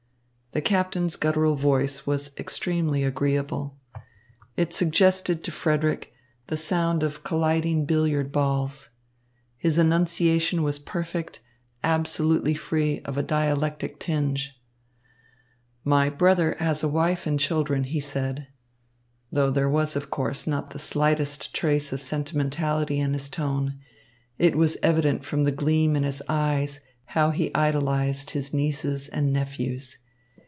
The captain's guttural voice was extremely agreeable. It suggested to Frederick the sound of colliding billiard balls. His enunciation was perfect, absolutely free of a dialectic tinge. "My brother has a wife and children," he said. Though there was, of course, not the slightest trace of sentimentality in his tone, it was evident from the gleam in his eyes how he idolised his nieces and nephews.